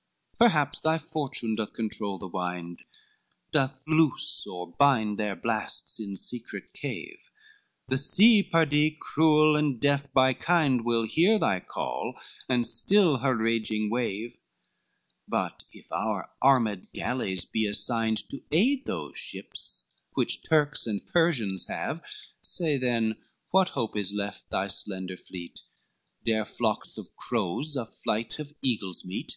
LXXVI "Perhaps thy fortune doth control the wind, Doth loose or bind their blasts in secret cave, The sea, pardie, cruel and deaf by kind, Will hear thy call, and still her raging wave: But if our armed galleys be assigned To aid those ships which Turks and Persians have, Say then, what hope is left thy slender fleet? Dare flocks of crows, a flight of eagles meet?